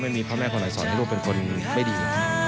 ไม่มีพระแม่คนไหนสอนให้ลูกเป็นคนไม่ดี